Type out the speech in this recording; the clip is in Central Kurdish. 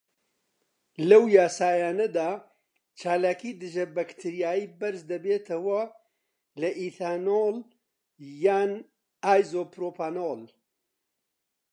لەو یاسایانەدا، چالاکی دژەبەکتریایی بەرزدەبێتەوە لە ئیثانۆڵ یان ئایزۆپڕۆپانۆڵ.